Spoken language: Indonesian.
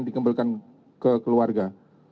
dikembalikan ke keluarga